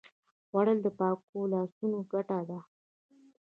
خوړل د پاکو لاسونو ګټه ده